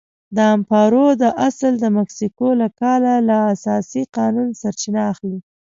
د امپارو دا اصل د مکسیکو له کال له اساسي قانون سرچینه اخلي.